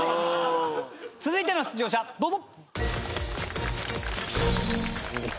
続いての出場者どうぞ。